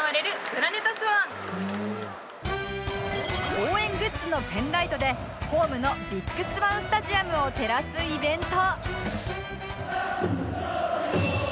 応援グッズのペンライトでホームのビッグスワンスタジアムを照らすイベント